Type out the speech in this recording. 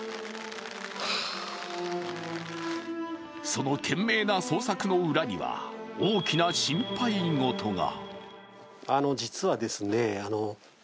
その懸命な捜索の裏には、大きな心配事が。